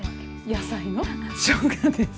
野菜のしょうがです。